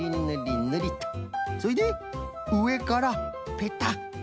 それでうえからペタッ。